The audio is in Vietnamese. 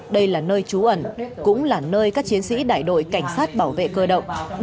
đây là nơi trú ẩn cũng là nơi các chiến sĩ đại đội cảnh sát bảo vệ cơ động